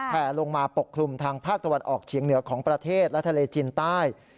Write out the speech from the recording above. แผลลงมาปกคลุมทางภาคตะวันออกเฉียงเหนือของประเทศและทะเลจีนใต้